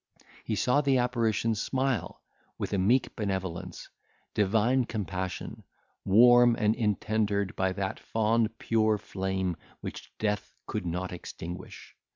He saw the apparition smile with meek benevolence, divine compassion, warm and intendered by that fond pure flame which death could not extinguish.